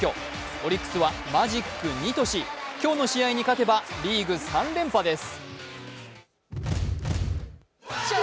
オリックスはマジック２とし今日の試合に勝てばリーグ３連覇です。